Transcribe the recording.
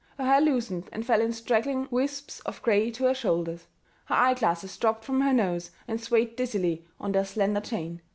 Her hair loosened and fell in straggling wisps of gray to her shoulders. Her eyeglasses dropped from her nose and swayed dizzily on their slender chain.